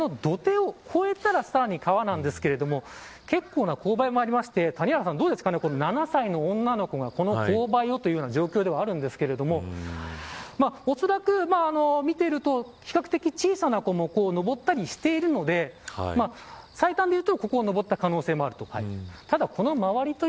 この土手を越えたらさらに川なんですけれども結構な勾配もありまして谷原さん、どうですか７歳の女の子が、この勾配をという状況ではあるんですがおそらく見ていると、比較的小さな子も上ったりしているので最短でいうとここを上った可能性もある。